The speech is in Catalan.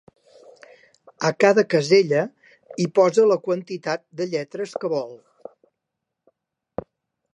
A cada casella hi posa la quantitat de lletres que vol.